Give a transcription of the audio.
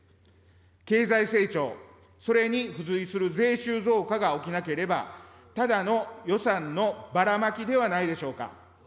経済成長、それに付随する税収増加が起きなければ、ただの予算のバラマキではないでしょうか。